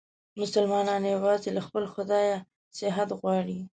مسلمانان یووازې له خپل خدایه صحت غواړي.